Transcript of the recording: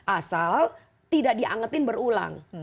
asal tidak diangetin berulang